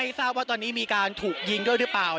ทราบว่าตอนนี้มีการถูกยิงด้วยหรือเปล่า